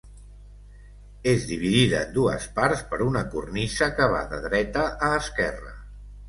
És dividida en dues parts per una cornisa que va de dreta a esquerra.